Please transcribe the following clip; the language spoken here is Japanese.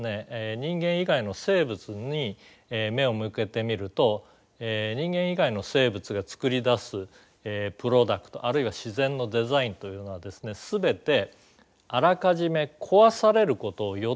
人間以外の生物に目を向けてみると人間以外の生物が作り出すプロダクトあるいは自然のデザインというのはですね全てあらかじめ壊されることを予定して作ってるんですね。